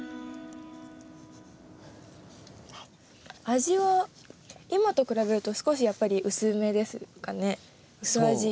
味は今と比べると少しやっぱり薄めですかね薄味。